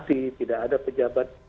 tidak ada pejabat